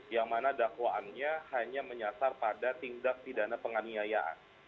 yang mana dakwaannya hanya menyasar pada tindak pidana penganiayaan